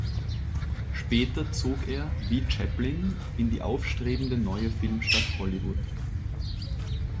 Später zog er wie Chaplin in die aufstrebende neue Filmstadt Hollywood.